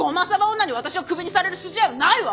女に私をクビにされる筋合いはないわ！